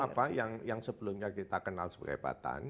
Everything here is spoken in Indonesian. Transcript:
jadi kalau apa yang sebelumnya kita kenal sebagai batang